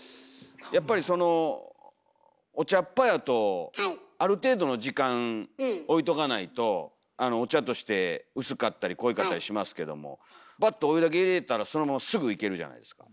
やっぱりそのお茶っ葉やとある程度の時間おいとかないとお茶として薄かったり濃いかったりしますけどもバッとお湯だけ入れたらそのまますぐいけるじゃないですか。